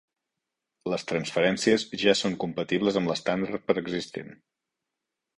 Les transferències ja són compatibles amb l'estàndard preexistent.